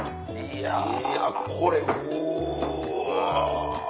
いやこれうわ。